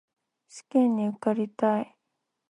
試験に受かりたい